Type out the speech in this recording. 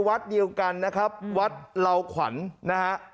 พระในวัดยีวกัลนะครับวัดเลาขวัญนะครับ